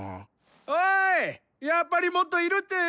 おいやっぱりもっといるってよ。